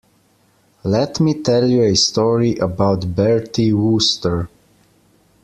Let me tell you a story about Bertie Wooster.